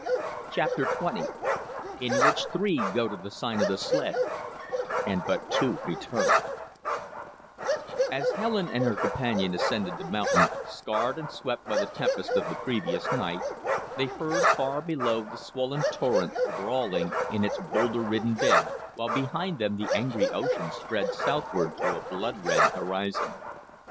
CHAPTER XX IN WHICH THREE GO TO THE SIGN OF THE SLED AND BUT TWO RETURN As Helen and her companion ascended the mountain, scarred and swept by the tempest of the previous night, they heard, far below, the swollen torrent brawling in its bowlder ridden bed, while behind them the angry ocean spread southward to a blood red horizon.